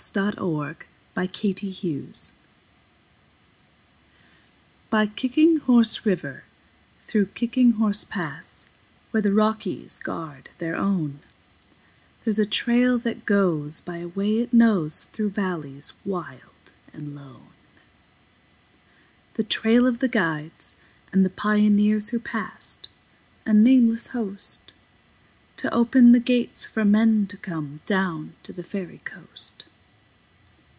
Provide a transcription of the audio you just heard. SONG OF THE KICKING HORSE By Kicking Horse River, through Kicking Horse Pass, Where the Rockies guard their own, There's a trail that goes by a way it knows Through valleys wild and lone,— The trail of the guides and the pioneers Who passed—a nameless host— To open the gates for men to come Down to the Fairy Coast.